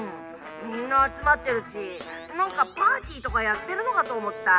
みんなあつまってるしなんかパーティーとかやってるのかとおもった。